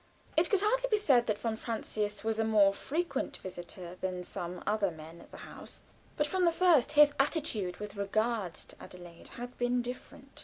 It could hardly be said that von Francius was a more frequent visitor than some other men at the house, but from the first his attitude with regard to Adelaide had been different.